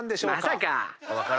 まさか。